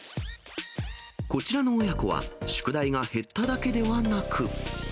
こちらの親子は、宿題が減っただけではなく。